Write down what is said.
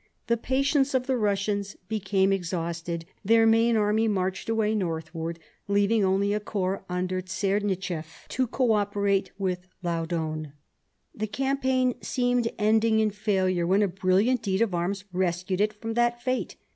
The patience of the Eussians became 1760 63 " THE SEVEN YEARS* WAR 175 exhausted ; their main army marched away northward, leaving only a corps under Czernichef to co operate with Laudon. The campaign seemed ending in failure, when a brilliant deed of arms rescued it from that fate.